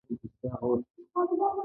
په بهرنیو اسعارو راکړه ورکړه غلطه ده.